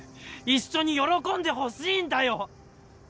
一緒に喜んでほしいんだよ！